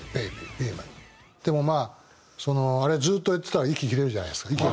でもまああれをずっと言ってたら息切れるじゃないですか。